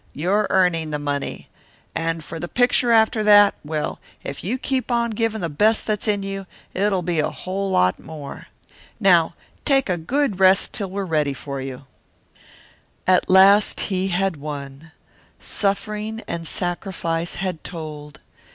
"You're earning the money. And for the picture after that well, if you keep on giving the best that's in you, it will be a whole lot more. Now take a good rest till we're ready for you." At last he had won. Suffering and sacrifice had told.